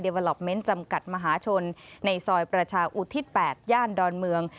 วาลอปเมนต์จำกัดมหาชนในซอยประชาอุทิศ๘ย่านดอนเมือง